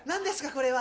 これは。